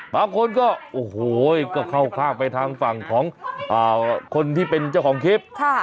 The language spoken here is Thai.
บางคนก็โอ้โหก็เข้าข้างไปทางฝั่งของคนที่เป็นเจ้าของคลิป